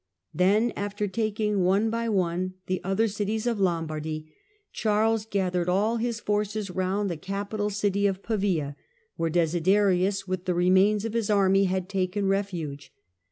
Then, after taking one by one the other cities of Lombardy, Charles gathered all his forces round the capital city of Pavia, where Desiderius, with the remains of his army, had taken refuge.